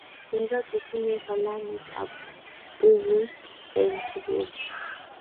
mekat itinye kalamit ak bukuit eng' sukul